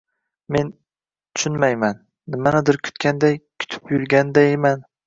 Men… tushunmayman, nimanidir kutganday, kutib yurgandayman.